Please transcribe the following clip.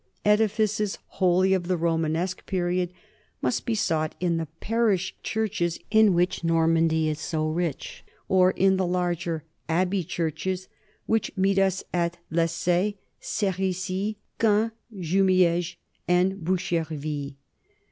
Edi fices wholly of the Romanesque period must be sought in the parish churches in which Normandy is so rich, or in the larger abbey churches which meet us at Les say, Cerisy, Caen, Jumieges, and Bocherville.